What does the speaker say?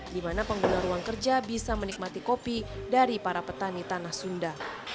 di mana pengguna ruang kerja bisa menikmati kopi dari para petani tanah sunda